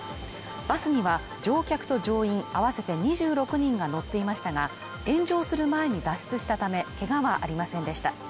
バスには乗客と乗員合わせて２６人が乗っていましたが、炎上する前に脱出したため、けがはありませんでした。